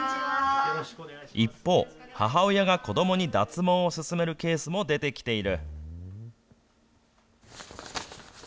一方、母親が子どもに脱毛を勧めるケースも出てきている。